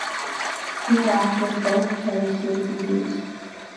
Hereafter, both terms may be used.